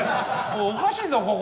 おかしいぞここ。